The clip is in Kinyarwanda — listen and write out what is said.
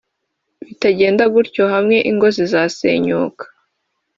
bitagenda gutyo hamwe ingo zirasenyuka